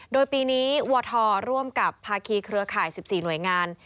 โดยปีนี้วทร่วมกับภาคีเครือข่าย๑๔หน่วยงาน